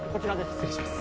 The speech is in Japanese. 失礼します